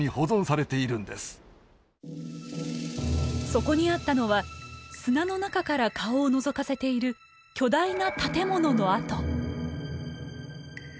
そこにあったのは砂の中から顔をのぞかせている巨大な建物の跡。